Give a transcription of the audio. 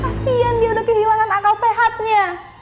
kasian dia udah kehilangan akal sehatnya